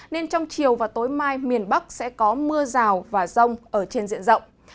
nên trong chiều và tối mai miền bắc sẽ có mưa rào và rông ở trên diện rộng